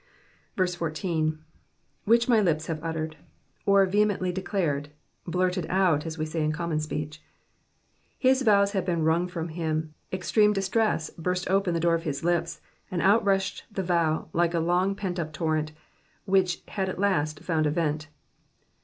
14. ^^ Which my lips have uttered,^^ or vehemently declared ; blurted out, as we say in common speech. His vows had been wrung from him ; extreme distress burst open the door of his lips, and out rushed the vow like a long pent up torrent, which had at last found a vent.